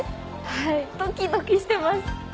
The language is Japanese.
はいドキドキしてます。